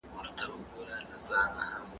ماشوم په مینه د چرګوړیو لپاره اوبه او دانه کېښوده.